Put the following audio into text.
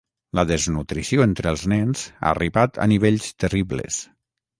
La desnutrició entre els nens ha arribat a nivells terribles.